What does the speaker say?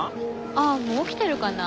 あもう起きてるかな？